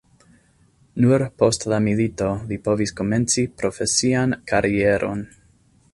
Nur post la milito li povis komenci profesian karieron.